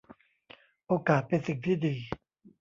โอกาสเป็นสิ่งที่ดี